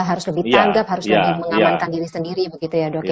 harus lebih tanggap harus lebih mengamankan diri sendiri begitu ya dok